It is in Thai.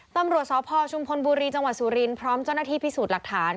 ตำรวจสพชุมพลบุรีจังหวัดสุรินทร์พร้อมเจ้าหน้าที่พิสูจน์หลักฐาน